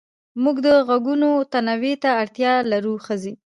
موږ د غږونو تنوع ته اړتيا لرو ښځې